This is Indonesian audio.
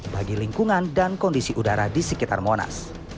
bagi lingkungan dan kondisi udara di sekitar monas